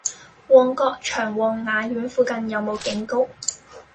旺角長旺雅苑附近有無警局？